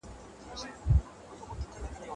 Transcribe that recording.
زه پرون واښه راوړله!